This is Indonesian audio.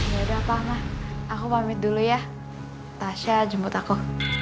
ya udah apa mah aku pamit dulu ya tasha jemput aku